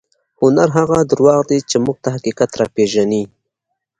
هنر هغه درواغ دي چې موږ ته حقیقت راپېژني.